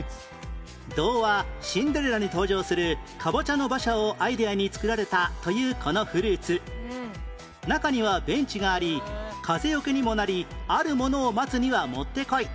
童話『シンデレラ』に登場するカボチャの馬車をアイデアに作られたというこのフルーツ中にはベンチがあり風よけにもなりあるものを待つにはもってこい